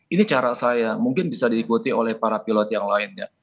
ini cara saya mungkin bisa diikuti oleh para pilot yang lainnya